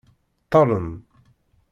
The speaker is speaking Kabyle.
Ṭṭalem!